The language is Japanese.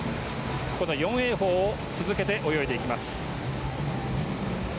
この４泳法を続けて泳いでいきます。